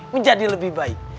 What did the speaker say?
menjadi lebih baik